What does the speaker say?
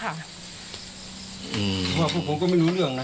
เพราะว่าพวกผมก็ไม่รู้เรื่องนะ